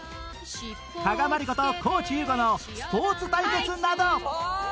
加賀まりこと地優吾のスポーツ対決など